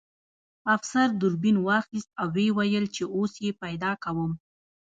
افسر دوربین واخیست او ویې ویل چې اوس یې پیدا کوم